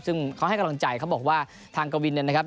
ซึ่งเขาให้กำลังใจเขาบอกว่าทางกวินเนี่ยนะครับ